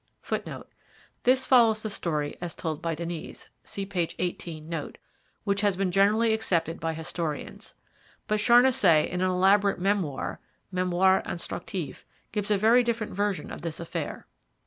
[Footnote: This follows the story as told by Denys (see p. 18 note), which has been generally accepted by historians. But Charnisay in an elaborate memoir (Memoire Instructif) gives a very different version of this affair.